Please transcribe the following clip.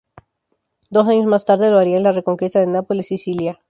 Dos años más tarde lo haría en la reconquista de Nápoles y Sicilia.